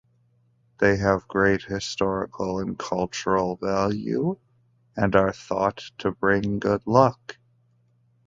They have great historical and cultural value and are thought to bring good luck.